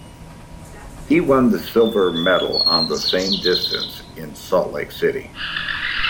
He won the silver medal on that same distance in Salt Lake City.